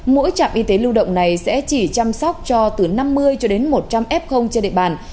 mỗi trạm y tế lưu động này sẽ chỉ chăm sóc cho từ năm mươi cho đến một trăm linh f trên địa bàn